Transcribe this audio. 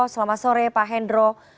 selamat sore pak hendro